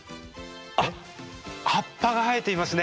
あっ葉っぱが生えていますね。